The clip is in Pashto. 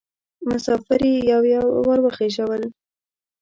مسافر یې یو یو ور وخېژول.